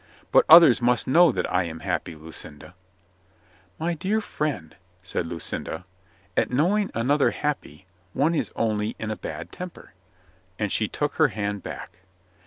"But others must know that I am happy, Lucinda." "My dear friend," said Lucinda, "at knowing an other happy, one is only in a bad temper." And she took her hand back.